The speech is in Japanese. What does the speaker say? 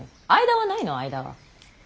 間はないの間は。